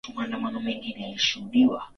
akiwa na rekodi ya kuwa mchezaji mdogo zaidi